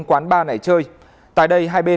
quán bar này chơi tại đây hai bên